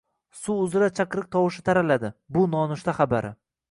Suv uzra chaqiriq tovushi taraladi — bu nonushta xabari.